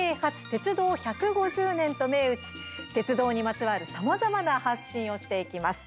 鉄道１５０年」と銘打ち、鉄道にまつわるさまざまな発信をしていきます。